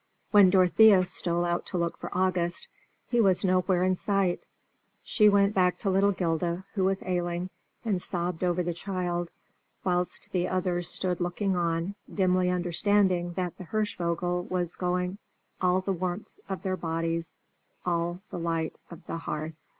When Dorothea stole out to look for August, he was nowhere in sight. She went back to little 'Gilda, who was ailing, and sobbed over the child, whilst the others stood looking on, dimly understanding that with Hirschvogel was going all the warmth of their bodies, all the light of their hearth.